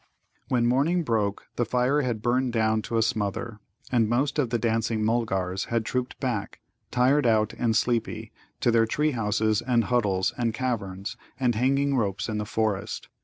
When morning broke, the fire had burned down to a smother, and most of the dancing Mulgars had trooped back, tired out and sleepy, to their tree houses and huddles and caverns and hanging ropes in the forest.